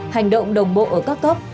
hành động đồng bộ ở các cấp